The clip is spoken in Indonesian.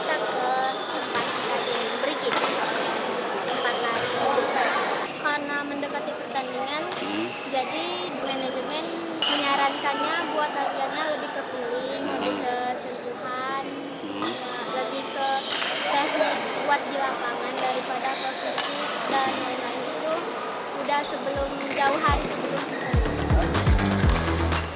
udah sebelum jauh hari sebelum itu